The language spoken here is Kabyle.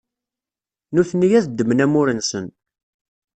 nutni ad ddmen amur-nsen.